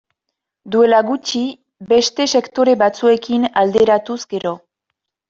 Duela gutxi, beste sektore batzuekin alderatuz gero.